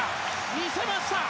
見せました！